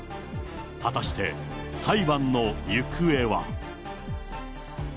果たして裁判の行方は。